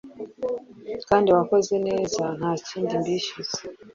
kandi mwagakoze neza. Ntakindi mbishyuza